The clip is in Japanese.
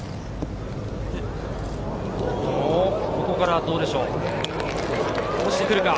ここからどうでしょう？